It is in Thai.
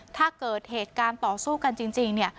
ถ้าเกิดเหตุการณ์ต่อสู้กันจริงเนี่ย